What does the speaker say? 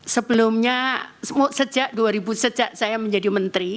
sebelumnya sejak dua ribu sejak saya menjadi menteri